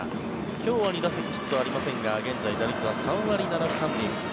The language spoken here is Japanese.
今日は２打席ヒットがありませんが現在、打率は３割７分３厘。